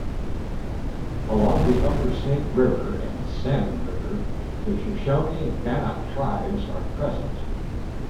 Along the upper Snake River and Salmon River, the Shoshone Bannock tribes are present.